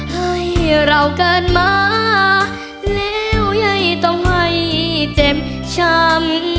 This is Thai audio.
ให้เราเกิดมาแล้วยายต้องไม่เจ็บช้ำ